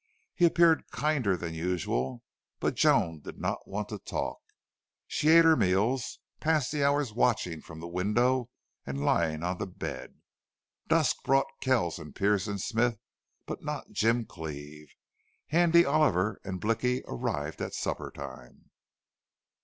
He appeared kinder than usual, but Joan did not want to talk. She ate her meals, and passed the hours watching from the window and lying on the bed. Dusk brought Kells and Pearce and Smith, but not Jim Cleve. Handy Oliver and Blicky arrived at supper time.